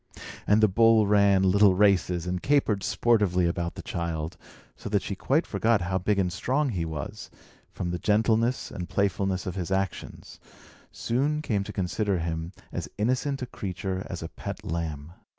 And the bull ran little races, and capered sportively around the child; so that she quite forgot how big and strong he was, and, from the gentleness and playfulness of his actions, soon came to consider him as innocent a creature as a pet lamb.